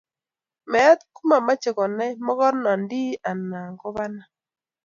Meet komamochei konai mokornondi anan ko banan.